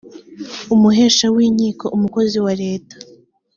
umuhesha w inkiko umukozi wa leta